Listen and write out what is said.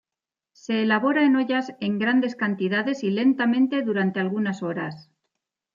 Se elabora en ollas en grandes cantidades y lentamente durante algunas horas.